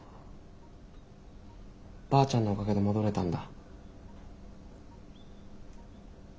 ばあちゃんのおかげで戻れたんだ。